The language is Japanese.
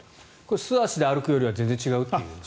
素足で歩くよりは全然違うという。